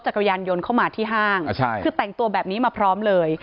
กระยานยนต์เข้ามาที่ห้างคือแต่งตัวแบบนี้มาพร้อมเลย